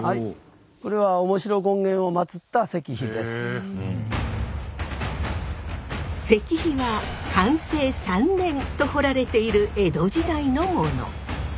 これは石碑は「寛政三年」と彫られている江戸時代のもの。